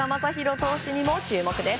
投手にも注目です。